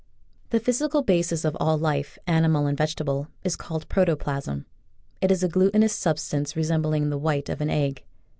The physical basis of all life, animal and vegetable, is called Protoplasm. It is a glutinous substance resembling the white of an egg.